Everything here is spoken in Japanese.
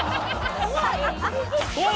怖い！